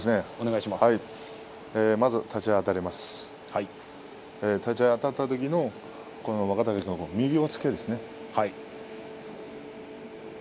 まず立ち合いあたったときの若隆景の右の押っつけ。